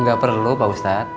gak perlu pak ustadz